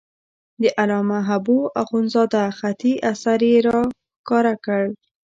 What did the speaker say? د علامه حبو اخندزاده خطي اثر یې را وښکاره کړ.